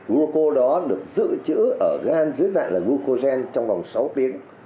glucose đó được giữ chữ ở gan dưới dạng là glucogen trong vòng sáu tiếng